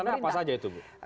karena apa saja itu bu